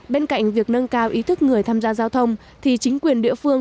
bên cạnh việc nâng cao ý thức người tham gia giao thông thì chính quyền địa phương